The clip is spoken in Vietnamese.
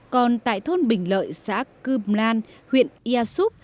còn tại thôn bình lợi xã cưm lan huyện ia súp